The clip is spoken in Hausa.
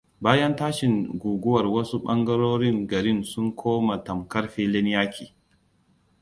Bayan tashin guguwar wasu bangarorin garin sun koma tamkar filin yaki.